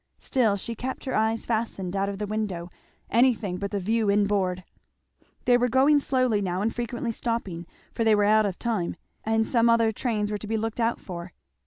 Still she kept her eyes fastened out of the window; anything but the view inboard. They were going slowly now, and frequently stopping; for they were out of time, and some other trains were to be looked out for.